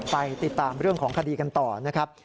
ไปติดตามเรื่องของคดีกันต่อนะครับ